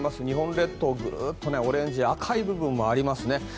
日本列島、グッとオレンジ赤い部分もありますね。